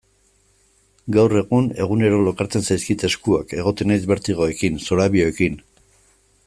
Gaur egun egunero lokartzen zaizkit eskuak, egoten naiz bertigoekin, zorabioekin...